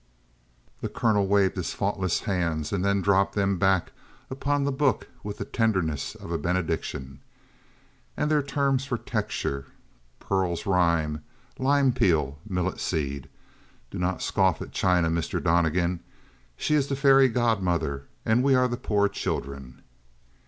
The colonel waved his faultless hands and then dropped them back upon the book with the tenderness of a benediction. "And their terms for texture pear's rind lime peel millet seed! Do not scoff at China, Mr. Donnegan. She is the fairy godmother, and we are the poor children."